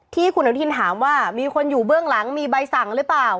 ที่คุณอนุทินถามว่ามีคนอยู่เบื้องหลังมีใบสั่งหรือเปล่า